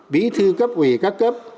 bí thư cấp ủy các cấp